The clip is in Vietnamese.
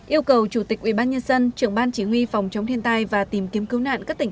yêu cầu chủ tịch ubnd trưởng ban chỉ huy phòng chống thiên tai và tìm kiếm cứu nạn các tỉnh